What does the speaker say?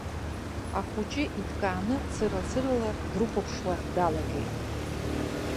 Ахәыҷы иҭкааны цыра-цырала дрыхәаԥшуа далагеит.